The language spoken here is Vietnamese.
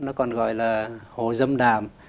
nó còn gọi là hồ dâm đàm